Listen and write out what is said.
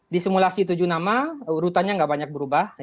di simulasi tujuh nama urutannya nggak banyak berubah